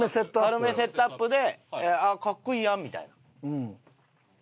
軽めセットアップであっ格好いいやんみたいな。